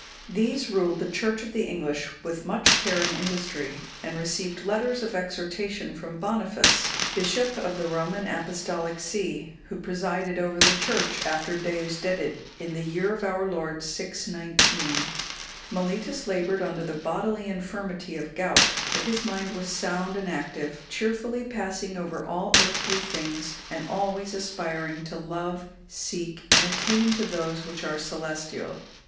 These ruled the Church of the English with much care and industry, and received letters of exhortation from Boniface,(199) bishop of the Roman Apostolic see, who presided over the Church after Deusdedit, in the year of our Lord 619. Mellitus laboured under the bodily infirmity of gout, but his mind was sound and active, cheerfully passing over all earthly things, and always aspiring to love, seek, and attain to those which are celestial.